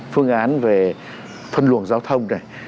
phương án về phân luồng giao thông này